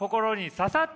刺さった。